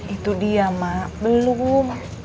itu dia mak belum